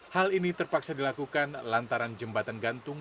hal ini terpaksa dilakukan lantaran jembatan gantung